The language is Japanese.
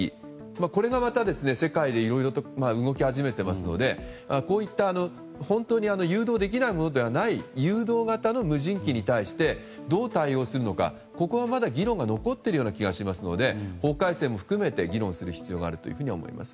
これがまた、世界でいろいろと動き始めていますのでこういった本当に誘導できないものではない誘導型の無人機に対してどう対応するのかここはまだ議論が残っているような気がしますので法改正も含めて議論する必要があると思います。